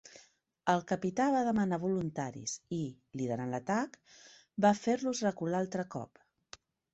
El capità va demanar voluntaris i, liderant l'atac, va fer-los recular altre cop.